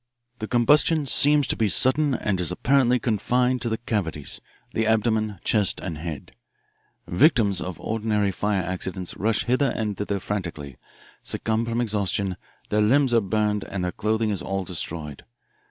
"'The combustion seems to be sudden and is apparently confined to the cavities, the abdomen, chest, and head. Victims of ordinary fire accidents rush hither and thither frantically, succumb from exhaustion, their limbs are burned, and their clothing is all destroyed.